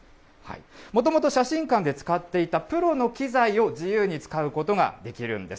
もともと写真館で使っていたプロの機材を自由に使うことができるんです。